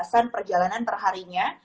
pembatasan perjalanan perharinya